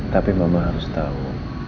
tapi mama harus tahu